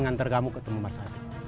ngantar kamu ketemu mas arief